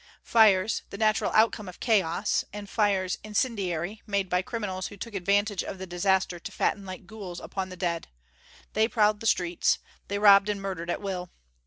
Fires, the natural outcome of chaos; and fires, incendiary made by criminals who took advantage of the disaster to fatten like ghouls upon the dead. They prowled the streets. They robbed and murdered at will.